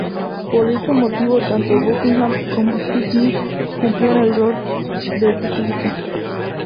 Por dicho motivo tanto Buckingham como Stevie Nicks cumplieron el rol de teclista.